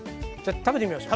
食べてみましょう。